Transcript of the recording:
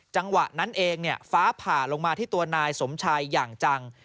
จังหวะนั้นเองฟ้าผ่าลงมาที่ตัวนายสมชายอย่างจัง